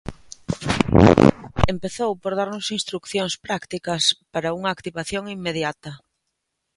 Empezou por darnos instruccións prácticas para unha activación inmediata.